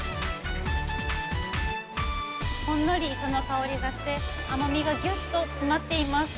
ほんのり磯の香りがして、甘みがギュッと詰まっています。